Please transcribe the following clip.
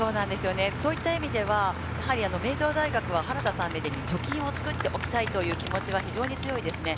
そういった意味では、やはり名城大学は原田さんみたいに貯金を作っておきたいという気持ちは非常に強いですね。